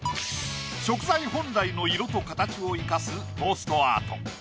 食材本来の色と形を生かすトーストアート。